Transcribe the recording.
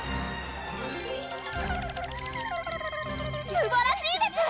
すばらしいです！